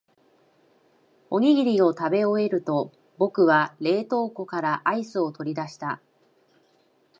おにぎりを食べ終えると、僕は冷凍庫からアイスを取り出した。